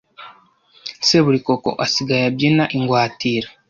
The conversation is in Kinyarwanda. Seburikoko asigaye abyina ingwatira